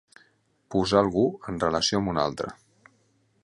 Posar algú en relació amb un altre.